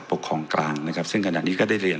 ปกครองกลางนะครับซึ่งขณะนี้ก็ได้เรียน